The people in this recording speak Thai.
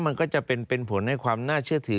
มันก็จะเป็นผลให้ความน่าเชื่อถือ